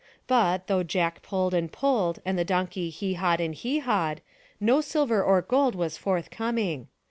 But, though Jack pulled and pulled and the donkey he hawed and he hawed, no silver or gold was forthcoming.